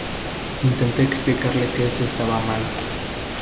Intenté explicarle que eso estaba mal